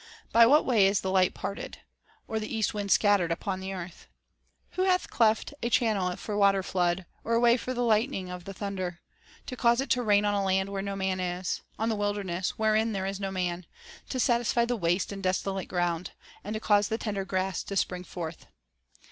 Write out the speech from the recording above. .. By what way is the light parted, Or the east wind scattered upon the earth ? Who hath cleft a channel for the water flood, Or a way for the lightning of the thunder ; To cause it to rain on a land where no man is ; On the wilderness, wherein there is no man ; To satisfy the waste and desolate ground ; And to cause the tender grass to spring forth